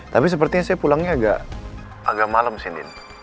tapi sepertinya saya pulangnya agak malem sih din